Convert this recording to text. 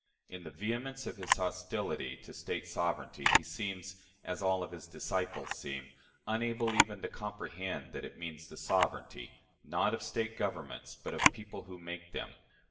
In the vehemence of his hostility to State sovereignty, he seems as all of his disciples seem unable even to comprehend that it means the sovereignty, not of State governments, but of people who make them.